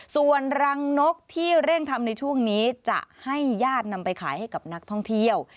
ส่วนรังนกที่เร่งทำในช่วงนี้จะให้ญาตินำไปขายให้กับนักท่องเที่ยว